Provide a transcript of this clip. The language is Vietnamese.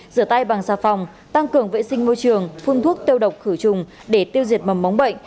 rửa tay bằng xà phòng tăng cường vệ sinh môi trường phun thuốc tiêu độc khử trùng để tiêu diệt mầm móng bệnh